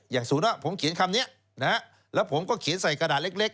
อย่างสูงนะผมเขียนคำนี้แล้วผมก็เขียนใส่กระดาษเล็ก